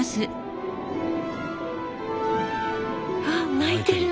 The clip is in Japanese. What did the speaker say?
あっ泣いてる。